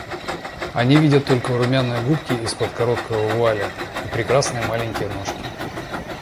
Они видят только румяные губки из-под короткого вуаля и прекрасные маленькие ножки.